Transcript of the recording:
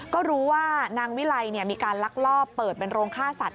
ก็รู้ว่านางวิไลมีการลักลอบเปิดเป็นโรงฆ่าสัตว